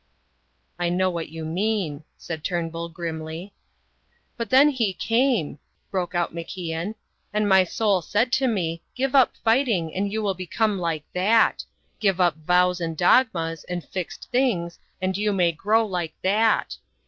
"I know what you mean," said Turnbull, grimly. "But then he came," broke out MacIan, "and my soul said to me: 'Give up fighting, and you will become like That. Give up vows and dogmas, and fixed things, and you may grow like That.